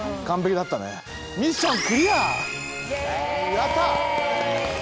やった！